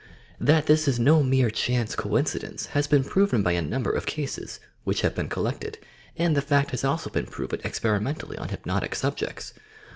That this is no mere chance coincidence has been proven by a number of cases, which have been collected, and the fact has also been proven experimentally on hypnotic sub jects.